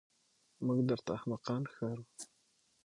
موږ درته احمقان ښکارو.